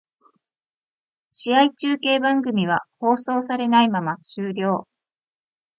試合中継番組は放送されないまま終了